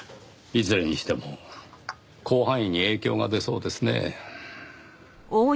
いずれにしても広範囲に影響が出そうですねぇ。